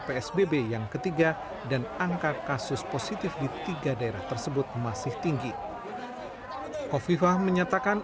psbb yang ketiga dan angka kasus positif di tiga daerah tersebut masih tinggi kofifah menyatakan